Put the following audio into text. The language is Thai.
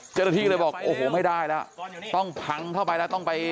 เจ้าหน้าที่เลยบอกโอ้โหไม่ได้แล้วต้องพังเข้าไปแล้วต้องไป